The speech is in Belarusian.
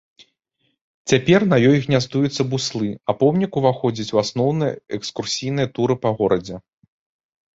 Цяпер на ёй гняздуюцца буслы, а помнік уваходзіць у асноўныя экскурсійныя туры па горадзе.